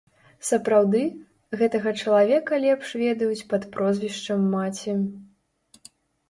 Сапраўды, гэтага чалавека лепш ведаюць пад прозвішчам маці.